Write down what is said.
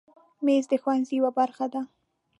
مېز د ښوونځي یوه برخه ده.